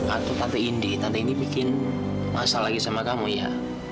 atau tante indi tante indi bikin masalah lagi sama kamu ya